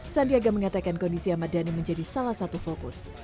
sandiaga mengatakan kondisi ahmad dhani menjadi salah satu fokus